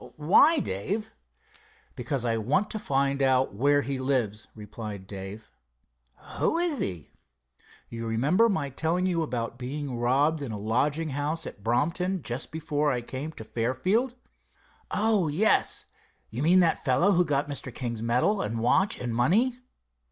"Why, Dave?" "Because I want to find out where he lives," replied Dave. "Who is he?" "You remember my telling you about being robbed in a lodging house at Brompton, just before I came to Fairfield?" "Oh, yes. You mean by the fellow who got Mr. King's medal and watch and money?"